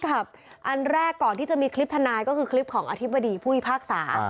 อันแรกก่อนที่จะมีคลิปทนายก็คือคลิปของอธิบดีผู้พิพากษา